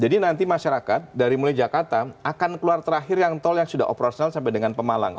jadi masyarakat dari mulai jakarta akan keluar terakhir yang tol yang sudah operasional sampai dengan pemalang